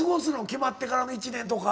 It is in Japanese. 決まってからの１年とか。